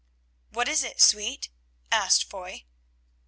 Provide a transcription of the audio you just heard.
"What is it, sweet?" asked Foy.